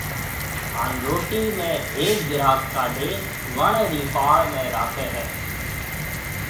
ھاڻ روٽِي ۾ ھيَََڪ گھرا ڪاڊيَ وڻ رِي پاݪ ۾ راکيَ ھيََََ